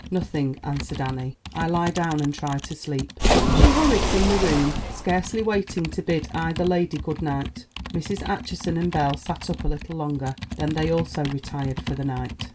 "Nothing," answered Annie. "I lie down and try to sleep." She hurried from the room, scarcely waiting to bid either lady good night. Mrs. Acheson and Belle sat up a little longer, then they also retired for the night.